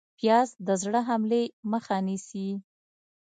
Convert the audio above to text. پیاز د زړه حملې مخه نیسي